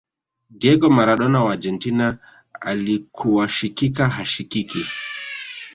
diego maradona wa argentina alikuwashikika hashikiki